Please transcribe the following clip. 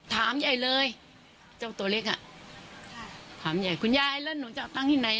ถามยายเลยเจ้าตัวเล็กอ่ะคุณยายแล้วหนูจะเอาเงินที่ไหน